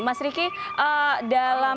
mas riki dalam